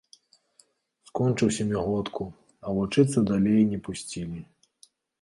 Скончыў сямігодку, а вучыцца далей не пусцілі.